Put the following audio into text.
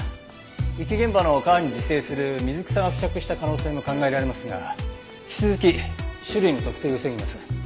遺棄現場の川に自生する水草が付着した可能性も考えられますが引き続き種類の特定を急ぎます。